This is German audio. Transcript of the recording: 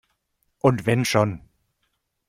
Und wenn schon!